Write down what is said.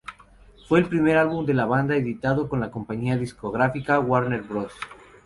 Fue el primer álbum de la banda editado con la compañía discográfica Warner Bros.